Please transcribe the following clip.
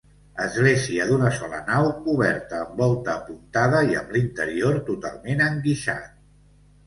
Església d'una sola nau coberta amb volta apuntada i amb l'interior totalment enguixat.